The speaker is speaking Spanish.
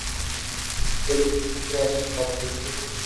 Debe su nombre a Santa Cristina.